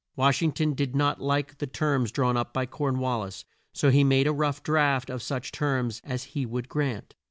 Wash ing ton did not like the terms drawn up by Corn wal lis, so he made a rough draft of such terms as he would grant.